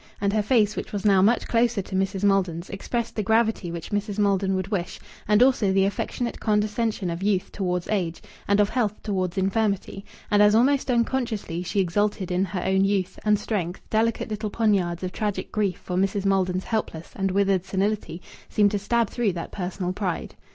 And her face, which was now much closer to Mrs. Maldon's, expressed the gravity which Mrs. Maldon would wish, and also the affectionate condescension of youth towards age, and of health towards infirmity. And as almost unconsciously she exulted in her own youth, and strength, delicate little poniards of tragic grief for Mrs. Maldon's helpless and withered senility seemed to stab through that personal pride.